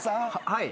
はい。